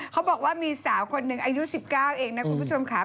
เขาบอกว่ามีสาวคนหนึ่งอายุ๑๙เองนะคุณผู้ชมค่ะ